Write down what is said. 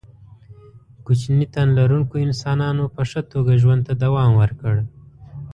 کوچني تن لرونکو انسانانو په ښه توګه ژوند ته دوام ورکړ.